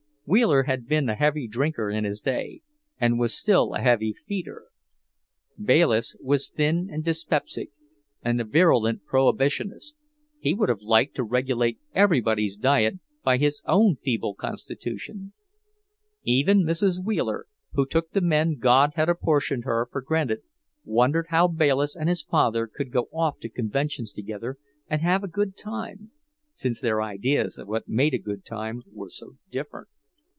Wheeler had been a heavy drinker in his day, and was still a heavy feeder. Bayliss was thin and dyspeptic, and a virulent Prohibitionist; he would have liked to regulate everybody's diet by his own feeble constitution. Even Mrs. Wheeler, who took the men God had apportioned her for granted, wondered how Bayliss and his father could go off to conventions together and have a good time, since their ideas of what made a good time were so different.